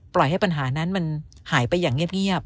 ให้ปัญหานั้นมันหายไปอย่างเงียบ